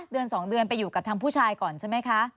เดือน๒เดือนไปอยู่กับทางผู้ชายก่อนใช่ไหมคะ